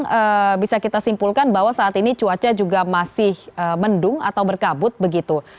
memang bisa kita simpulkan bahwa saat ini cuaca juga masih mendung atau berkabut begitu